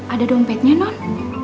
ada dompetnya non